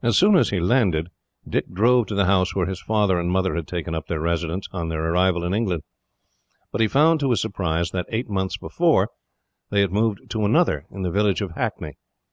As soon as he landed, Dick drove to the house where his father and mother had taken up their residence, on their arrival in England; but he found to his surprise that, eight months before, they had moved to another, in the village of Hackney.